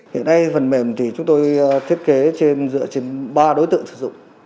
hiện nay phần mềm thì chúng tôi thiết kế trên dựa trên ba đối tượng sử dụng